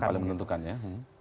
yang paling menentukan ya